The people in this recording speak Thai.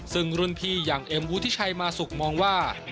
ซึ่งรุ่นพี่อย่างเอ็มวุฒิชัยมาสุกมองว่า